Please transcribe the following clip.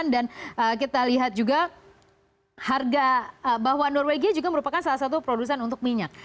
dan kita lihat juga harga bahwa norwegia juga merupakan salah satu produsen untuk minyak